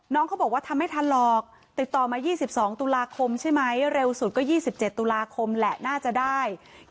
น้องเขาบอกว่าทำไม่ทันหรอกติดต่อมา๒๒ตุลาคมใช่ไหมเร็วสุดก็๒๗ตุลาคมแหละน่าจะได้